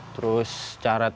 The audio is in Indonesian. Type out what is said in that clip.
terus cara tekian